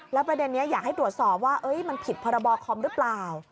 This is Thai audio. แล้วประเด็นนี้อยากให้ตรวจสอบว่ามันผิดพรบคอมหรือเปล่า